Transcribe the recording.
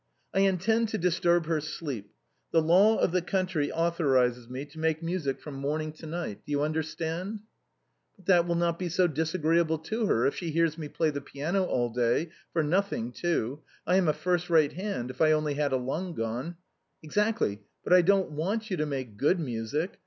" I intend to disturb their sleep. The law of the country authorizes me to make music from morning to night. Do you understand ?"" But that will not be so disagreeable for her, if she hears me play the piano all day — for nothing, too. I am a first rate hand, if I only had a lung gone "—" Exactly ; but I don't want you to make good music.